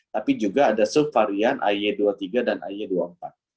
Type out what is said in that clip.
tapi juga ada subvarian ay dua puluh tiga dan ay dua puluh empat